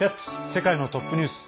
世界のトップニュース」。